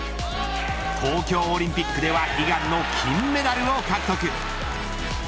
東京オリンピックでは悲願の金メダルを獲得。